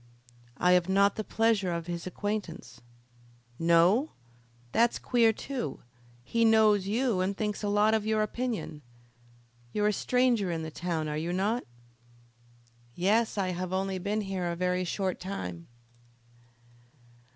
"I have not the pleasure of his acquaintance." "No? that's queer too. He knows you and thinks a lot of your opinion. You're a stranger in the town, are you not?" "Yes, I have only been here a very short time."